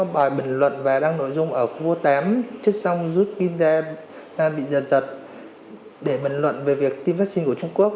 bài bình luận và đăng nội dung ở khu vô tám chết xong rút kim đen bị giật giật để bình luận về việc tiêm vaccine của trung quốc